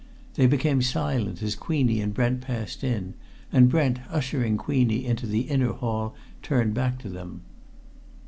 They became silent as Queenie and Brent passed in, and Brent, ushering Queenie into the inner hall, turned back to them.